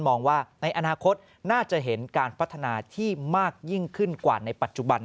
มองว่าในอนาคตน่าจะเห็นการพัฒนาที่มากยิ่งขึ้นกว่าในปัจจุบัน